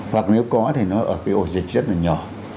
hoặc nếu có thì nó ở cái ổ dịch rất là nhỏ